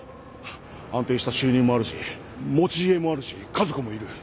安定した収入もあるし持ち家もあるし家族もいる。